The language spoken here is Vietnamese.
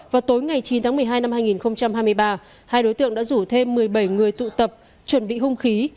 vào tối ngày chín tháng một mươi hai năm hai nghìn hai mươi ba hai đối tượng đã rủ thêm một mươi bảy người tụ tập chuẩn bị hung khí